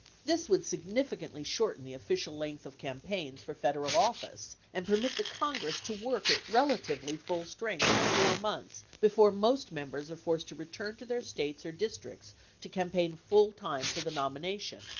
This would significantly shorten the official length of campaigns for Federal office and permit the Congress to work at relatively full strength for 4 months before most Members are forced to return to their States or districts to cam paign full time for the nomination.